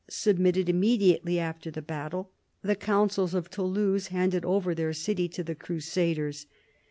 submitted immediately after the battle. The consuls of Toulouse handed over their city to the crusaders.